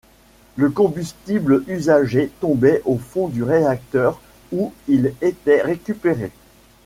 Le combustible usagé tombait au fond du réacteur où il était récupéré.